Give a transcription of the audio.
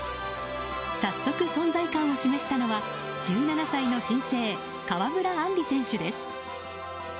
早速存在感を示したのは１７歳の新星川村あんり選手です。